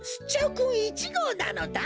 くん１ごうなのだ。